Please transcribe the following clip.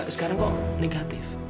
sekarang kok negatif